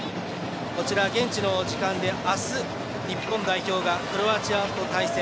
現地の時間で明日、日本代表がクロアチアと対戦。